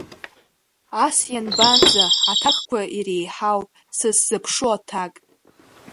Ас ианбанӡа, аҭакқәа иреиҳуап, сыззыԥшу аҭак.